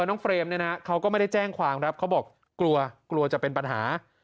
น้องเฟรมเนี่ยนะเขาก็ไม่ได้แจ้งความครับเขาบอกกลัวกลัวจะเป็นปัญหา